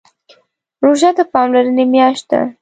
روژه د پاملرنې میاشت ده.